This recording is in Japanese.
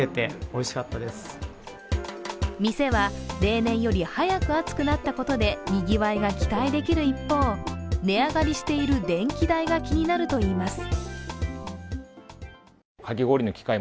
店は例年より早く暑くなったことでにぎわいが期待できる一方値上がりしている電気代が気になるといいます。